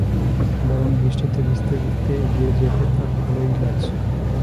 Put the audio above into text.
বরং বৃষ্টিতে ভিজতে-ভিজতে এগিয়ে যেতে তাঁর ভালোই লাগছে।